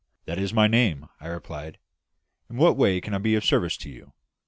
"That is my name," I replied. "In what way can I be of service to you?"